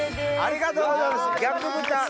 ありがとうございます。